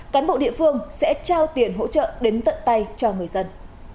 cán bộ địa phương sẽ trao tiền hỗ trợ đến tận tay cho người dân